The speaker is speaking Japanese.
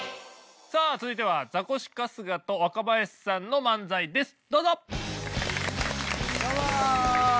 さあ続いてはザコシ春日と若林さんの漫才ですどうぞ！